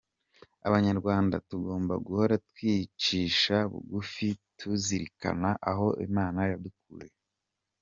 Abanyarwanda tugomba guhora twicisha bugufi, tuzirikana aho Imana yadukuye.